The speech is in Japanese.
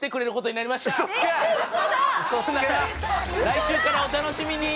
来週からお楽しみに！